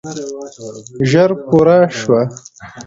ژر پوره شوه.